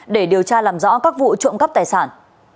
để điều tra làm rõ các vụ trộm cắp tài sản